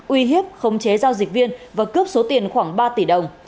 uy hiếp khống chế giao dịch viên và cướp số tiền khoảng ba tỷ đồng